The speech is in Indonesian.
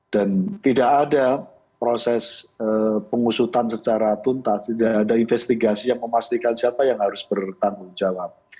dan tidak ada proses pengusutan secara tuntas tidak ada investigasi yang memastikan siapa yang harus bertanggung jawab